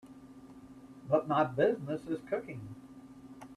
But my business is cooking.